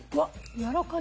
やわらかい！